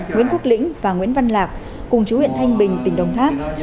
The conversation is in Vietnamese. nguyễn quốc lĩnh và nguyễn văn lạc cùng chú huyện thanh bình tỉnh đồng tháp